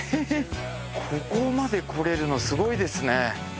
ここまで来られるのすごいですね。